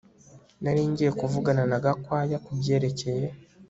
Nari ngiye kuvugana na Gakwaya kubyerekeye